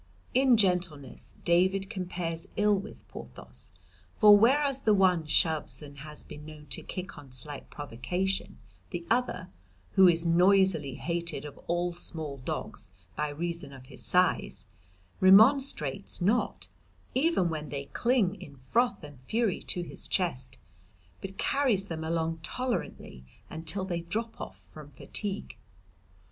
"In gentleness David compares ill with Porthos. For whereas the one shoves and has been known to kick on slight provocation, the other, who is noisily hated of all small dogs by reason of his size, remonstrates not, even when they cling in froth and fury to his chest, but carries them along tolerantly until they drop off from fatigue.